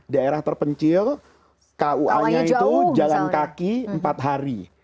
daerah terpencil kua nya itu jalan kaki empat hari